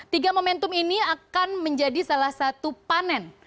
tiga momentum ini akan menjadi salah satu panen